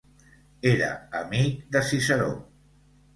Era amic de Ciceró.